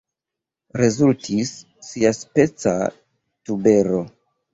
Rezultis siaspeca tubero.